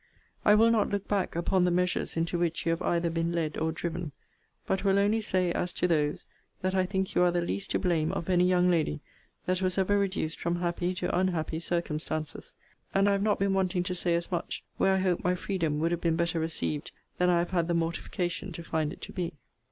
I will not look back upon the measures into which you have either been led or driven. But will only say as to those, that I think you are the least to blame of any young lady that was ever reduced from happy to unhappy circumstances; and I have not been wanting to say as much, where I hoped my freedom would have been better received than I have had the mortification to find it to be.